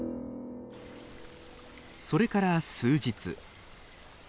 それから数日。